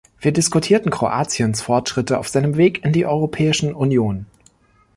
Wir diskutierten Kroatiens Fortschritte auf seinem Weg in die Europäischen Union.